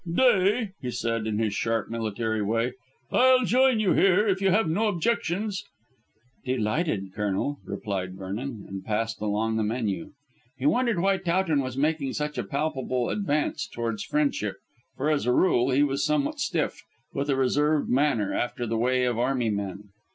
"'Day," he said in his sharp, military way. "I'll join you here, if you have no objections." "Delighted, Colonel," replied Vernon, and passed along the menu. He wondered why Towton was making such a palpable advance towards friendship, for, as a rule, he was somewhat stiff, with a reserved manner, after the way of army men.